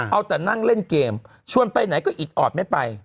เอาแต่นั่งเล่นเกมชวนไปไหนก็อิดออดไม่ไป